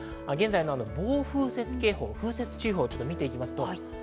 現在の暴風雪警報、風雪注意報、見ていきます。